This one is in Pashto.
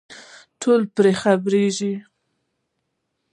ټول پرې خبرېږي.